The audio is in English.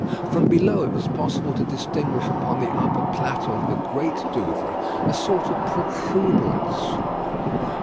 From below, it was possible to distinguish upon the upper plateau of the Great Douvre a sort of protuberance.